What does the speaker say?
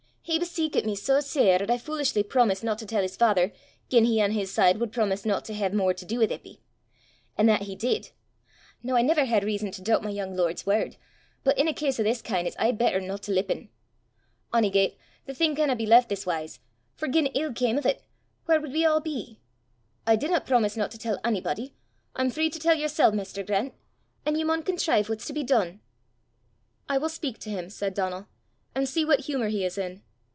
He beseekit me sae sair 'at I foolishly promised no to tell his faither gien he on his side wud promise no to hae mair to du wi' Eppy. An' that he did. Noo I never had rizzon to doobt my yoong lord's word, but in a case o' this kin' it's aye better no to lippen. Ony gait, the thing canna be left this wise, for gien ill cam o' 't, whaur wud we a' be! I didna promise no to tell onybody; I'm free to tell yersel', maister Grant; an' ye maun contrive what's to be dune." "I will speak to him," said Donal, "and see what humour he is in.